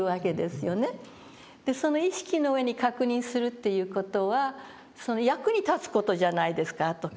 その意識の上に確認するっていう事は役に立つ事じゃないですか後から。